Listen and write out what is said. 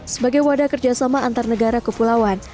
sebagai wadah kerjasama antar negara kepulauan